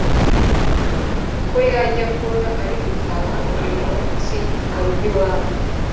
ko yajya akora ari gutaha buri munsimurugo iwabo